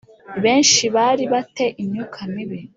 benshi bari ba te imyuka mibi